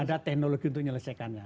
ada teknologi untuk menyelesaikannya